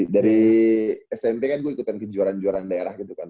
dari smp kan gue ikutan kejuaraan juaraan daerah gitu kan